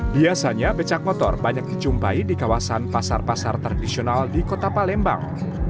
biasanya becak motor banyak dicumpai di kawasan pasar pasar tradisional di kota palembang